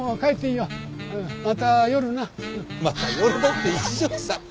「また夜な」って一条さん。